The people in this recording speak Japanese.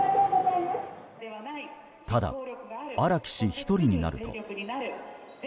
ただ、荒木氏１人になると。